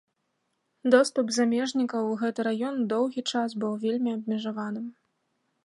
Доступ замежнікаў у гэты раён доўгі час быў вельмі абмежаваным.